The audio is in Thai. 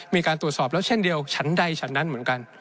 มีการตรวจสอบแล้วเช่นเดียวฉันใดฉันนั้นเหมือนกัน